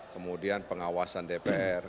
kemudian pengawasan dpr